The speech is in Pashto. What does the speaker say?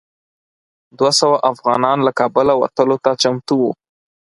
دوه سوه افغانان له کابله وتلو ته چمتو وو.